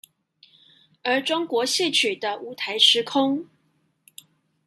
而中國戲曲的舞臺時空